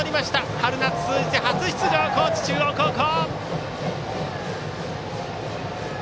春夏通じて初出場の高知中央高校。